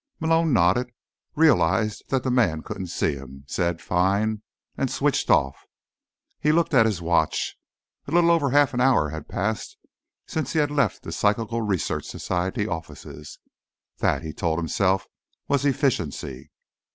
Malone nodded, realized the man couldn't see him, said: "Fine," and switched off. He looked at his watch. A little over half an hour had passed since he had left the Psychical Research Society offices. That, he told himself, was efficiency.